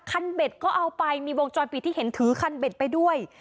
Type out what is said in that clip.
เบ็ดก็เอาไปมีวงจรปิดที่เห็นถือคันเบ็ดไปด้วย